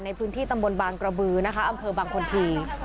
ในพื้นที่ตำบลบางกระบือนะคะอำเภอบางคนที